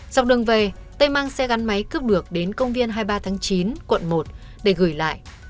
dọc đường về tây mang xe gắn máy cướp được đến công viên hai mươi ba tháng chín quận một để gửi lại